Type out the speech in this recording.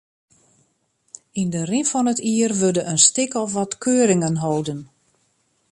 Yn de rin fan it jier wurde in stik of wat keuringen holden.